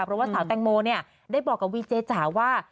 เพราะว่าสาวแตงโมเนี่ยได้บอกกับวีเจจ๋าว่า